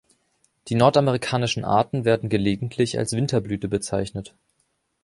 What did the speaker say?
Die nordamerikanischen Arten werden gelegentlich als Winterblüte bezeichnet.